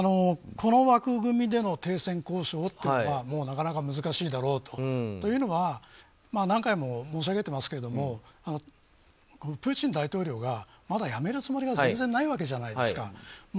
この枠組みでの停戦交渉というのはなかなか難しいだろうと。というのは何回も申し上げていますがプーチン大統領がまだやめるつもりが全然ないわけじゃないですか。